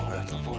oh ya terpulang